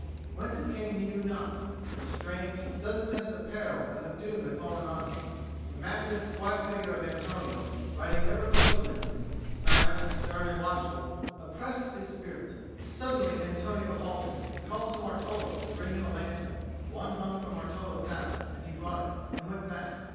Whence it came he knew not, but a strange sudden sense of peril and of doom had fallen on him. The massive quiet figure of Antonio, riding ever close to him, silent, stern, and watchful, oppressed his spirit. Suddenly Antonio halted and called to Martolo to bring him a lantern: one hung from Martolo's saddle, and he brought it, and went back.